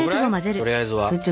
とりあえずは。